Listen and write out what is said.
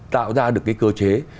tạo ra được cái cơ chế